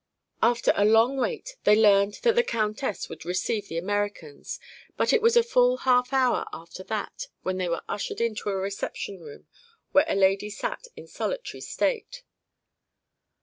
After a long wait they learned that the countess would receive the Americans, but it was a full half hour after that when they were ushered into a reception room where a lady sat in solitary state.